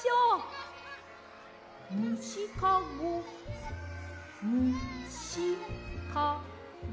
むしかごむしかご。